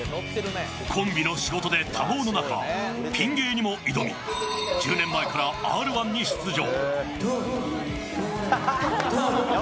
コンビの仕事で多忙の中ピン芸にも挑み１０年前からＲ−１に出場。